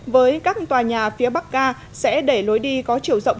với các tòa nhà phía bắc ga sẽ để lối đi có chiều rộng